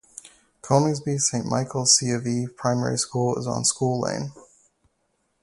Coningsby Saint Michael's C of E Primary School is on School Lane.